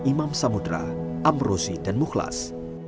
imam samudera amrozi dan mukhlas